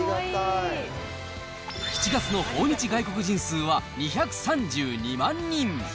７月の訪日外国人数は２３２万人。